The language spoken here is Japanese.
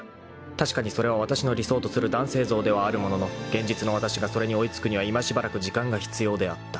［確かにそれはわたしの理想とする男性像ではあるものの現実のわたしがそれに追い付くには今しばらく時間が必要であった］